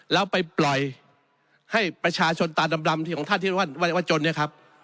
แล้วไปปล่อยให้ประชาชนตาดำที่ของท่านที่ว่าเยาวชนเนี่ยครับ